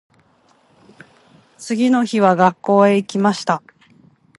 次の日は学校へ行きました。